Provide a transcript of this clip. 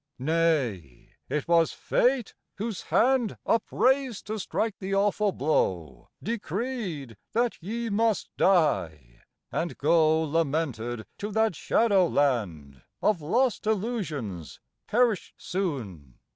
Nay, it was fate whose hand Upraised to strike the awful blow Decreed that ye must die, and go Lamented to that shadow land Of lost illusions perished soon!